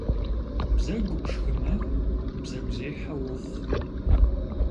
Бзэгу пшхымэ бзэгузехьэ уохъу.